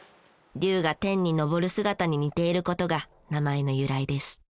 龍が天に昇る姿に似ている事が名前の由来です。